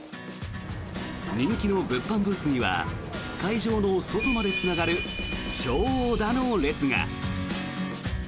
人気の物販ブースには会場の外までつながる長蛇の列が。